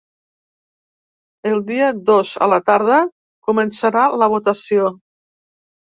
El dia dos a la tarda començarà la votació.